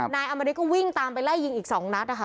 นายอมริตก็วิ่งตามไปไล่ยิงอีก๒นัดนะคะ